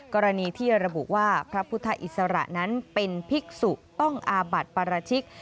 กรณีที่ระบุว่าพระพุทธอิสระนั้นเป็นภิกษุต้องอาบัติปราชิก